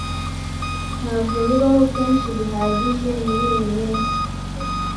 Ntabwo bibaho kenshi bihagije muriyi minsi.